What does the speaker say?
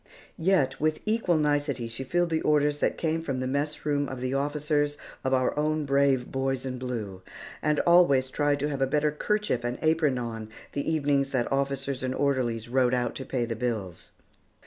Yet, with equal nicety, she filled the orders that came from the mess room of the officers of our own brave boys in blue, and always tried to have a better kerchief and apron on the evenings that officers and orderly rode out to pay the bills.